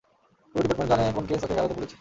পুরো ডিপার্টমেন্ট জানে কোন কেস ওকে গরাদে পুরেছে।